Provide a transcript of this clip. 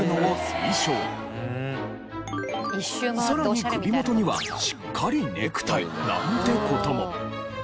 さらに首元にはしっかりネクタイなんて事も。